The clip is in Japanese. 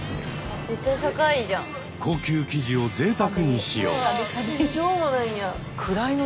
高級生地をぜいたくに使用。